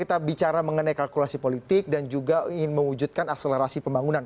kita bicara mengenai kalkulasi politik dan juga ingin mewujudkan akselerasi pembangunan